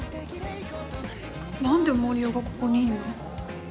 何で森生がここにいんの？